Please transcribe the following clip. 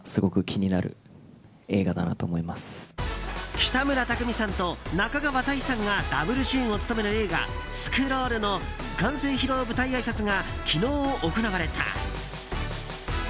北村匠海さんと中川大志さんがダブル主演を務める映画「スクロール」の完成披露舞台あいさつが昨日、行われた。